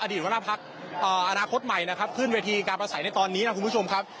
หัวหน้าพักอนาคตใหม่นะครับขึ้นเวทีการประสัยในตอนนี้นะคุณผู้ชมครับ